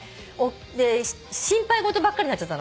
心配事ばっかりになっちゃったの。